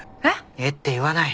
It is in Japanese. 「えっ？」って言わない。